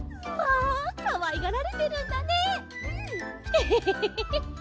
エヘヘヘヘ。